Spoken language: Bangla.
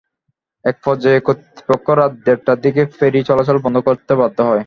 একপর্যায়ে কর্তৃপক্ষ রাত দেড়টার দিকে ফেরি চলাচল বন্ধ করতে বাধ্য হয়।